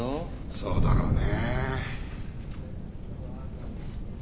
そうだろうね。